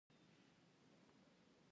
ژوند د ارمانونو هديره ده.